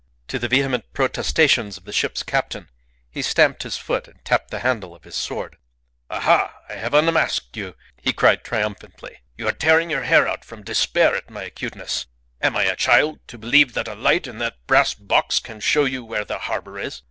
To the vehement protestations of the ship's captain, he stamped his foot and tapped the handle of his sword. "Aha! I have unmasked you," he cried, triumphantly. "You are tearing your hair from despair at my acuteness. Am I a child to believe that a light in that brass box can show you where the harbour is?